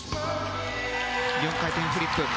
４回転フリップ。